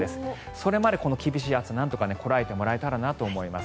それまでこの厳しい暑さなんとかこらえてもらえたらなと思います。